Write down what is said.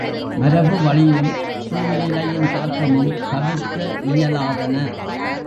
மரபு வழியும் சூழ்நிலையின் தாக்கமும் தவிர்க்க இயலாதன.